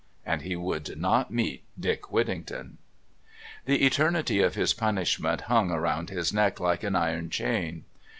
And he would not meet Dick Whittington. The eternity of his punishment hung around his neck like an iron chain.